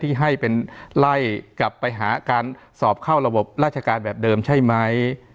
ที่ให้เป็นไล่กลับไปหาการสอบเข้าระบบราชการแบบเดิมใช่ไหม